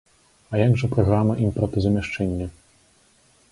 А як жа праграма імпартазамяшчэння?